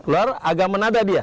keluar agak menada dia